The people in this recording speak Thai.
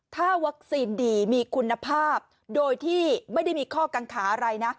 ถ้าวัคซีนดีมีคุณภาพโดยที่ไม่ได้มีข้อกังขาอะไรนะ